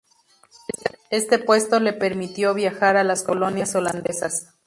Este puesto le permitió viajar a las colonias holandesas.